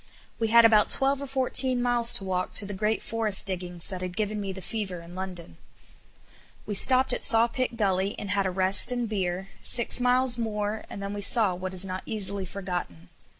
We had about twelve or fourteen miles to walk to the great forest diggings that had given me the fever in London. We stopped at Sawpit Gully and had a rest and beer, six miles more and then we saw what is not easily forgotten.